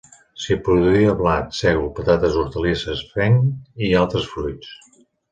S'hi produïa blat, sègol, patates, hortalisses, fenc i altres fruits.